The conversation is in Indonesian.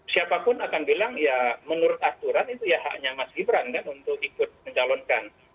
siapapun akan bilang ya menurut aturan itu ya haknya mas gibran kan untuk ikut mencalonkan